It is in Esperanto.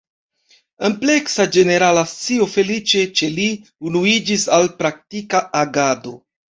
Ampleksa ĝenerala scio feliĉe ĉe li unuiĝis al praktika agado.